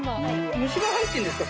虫が入ってるんですか？